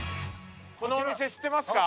このお店知ってますか？